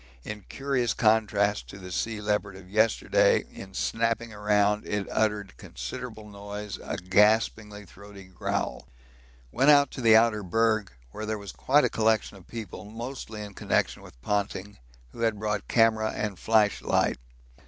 In curious contrast to the sea leopard of yesterday in snapping round it uttered considerable noise, a gasping throaty growl. Went out to the outer berg, where there was quite a collection of people, mostly in connection with Ponting, who had brought camera and flashlight.